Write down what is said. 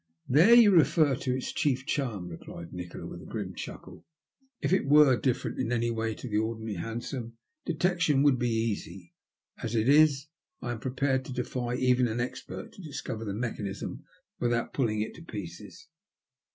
"There you refer to it's chief charm," replied Nikola, with a grim chuckle. " If it were different in any way to the ordinary hansom, detection would be easy. As it is I am prepared to defy even an expert to discover the mechanism without pulling it to pieces."